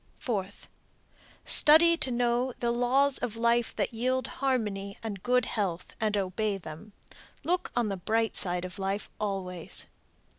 Fourth. Study to know the laws of life that yield harmony and good health and obey them. Look on the bright side of life always.